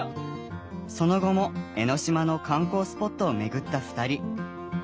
その後も江の島の観光スポットを巡った２人。